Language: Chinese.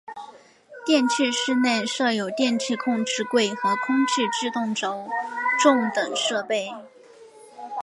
电气室内设有电气控制柜和空气制动轴重等设备。